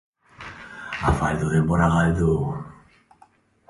Bazkari bat eskatzen ere ez zekien.